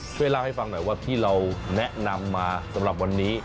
ช่วยเล่าให้ฟังหน่อยว่าที่เราแนะนำมาสำหรับวันนี้